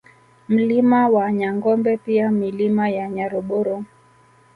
Mlima wa Nyangombe pia Milima ya Nyaroboro